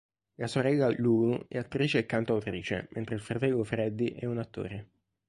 La sorella Lulu è attrice e cantautrice, mentre il fratello Freddie è un attore.